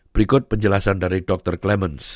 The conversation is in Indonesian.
berikut penjelasan dari dr clements